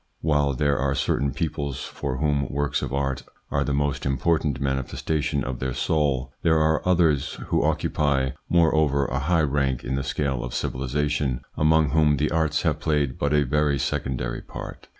While there are certain peoples for whom works of art are the most important manifestation of their soul, there are others, who occupy, moreover, a high rank in the scale of civilisation, among whom the arts have played but a very secondary part.